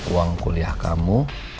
uang kuliah kamu